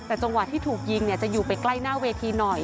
แต่จังหวะที่ถูกยิงเนี่ยจะอยู่ไปใกล้หน้าเวทีหน่อย